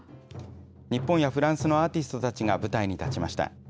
日本やフランスのアーティストたちが舞台に立ちました。